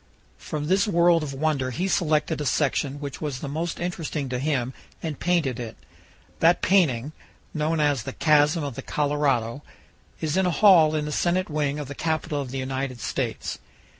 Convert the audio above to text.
From this world of wonder he selected a section which was the most interesting to him and painted it. That painting, known as "The Chasm of the Colorado," is in a hall in the Senate wing of the Capitol of the United States.